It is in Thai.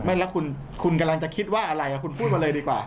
แล้วคุณกำลังจะคิดว่าอะไรคุณพูดมาเลยดีกว่า